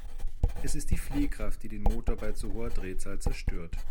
Es ist die Fliehkraft, die den Motor bei zu hoher Drehzahl zerstört.